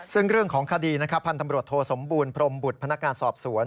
ซึ่งเรื่องของคดีพันธมรวชโทสมบูรณ์พรมบุตรพนักงานสอบสวน